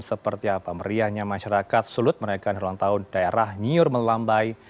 seperti apa meriahnya masyarakat sulut mereka dalam tahun daerah nyur melambai